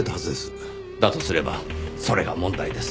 だとすればそれが問題です。